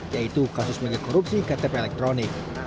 yaitu kasus mengenai korupsi ktp elektronik